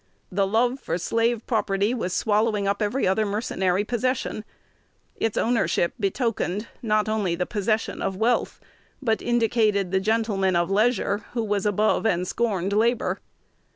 The love for slave property was swallowing up every other mercenary possession. Its ownership betokened, not only the possession of wealth, but indicated the gentleman of leisure, who was above and scorned labor.'